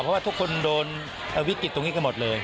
เพราะว่าทุกคนโดนวิกฤตตรงนี้กันหมดเลย